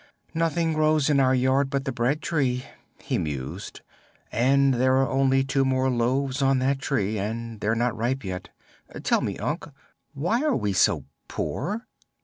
"Nothing grows in our yard but the bread tree," he mused, "and there are only two more loaves on that tree; and they're not ripe yet. Tell me, Unc; why are we so poor?"